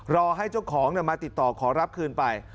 รอให้เจ้าของมาติดต่อขอรับคืนไป